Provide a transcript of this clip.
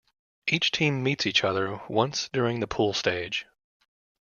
Each team meets each other once during the pool stage.